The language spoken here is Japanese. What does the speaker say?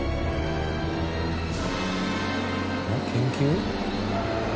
研究？